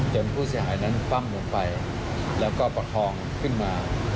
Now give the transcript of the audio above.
ผู้เสียหายนั้นปั้มลงไปแล้วก็ประคองขึ้นมา